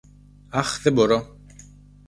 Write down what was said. Αχ, δεν μπορώ!